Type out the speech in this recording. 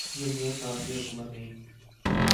یہ میاں صاحب کی حکومت نہیں